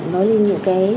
nói lên những cái